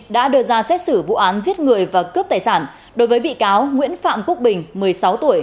đã đưa ra xét xử vụ án giết người và cướp tài sản đối với bị cáo nguyễn phạm quốc bình một mươi sáu tuổi